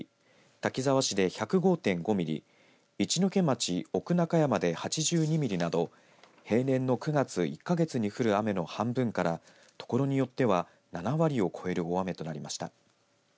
滝沢市で１０５．５ミリ一戸町奥中山で８２ミリなど平年の９月１か月間に降る雨の半分からところによっては７割を超える大雨となりました。